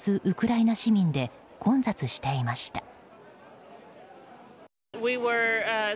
ウクライナ市民で混雑していました。